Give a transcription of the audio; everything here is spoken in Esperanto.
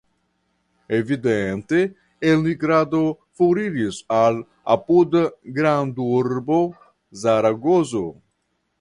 Evidente elmigrado foriris al apuda grandurbo Zaragozo.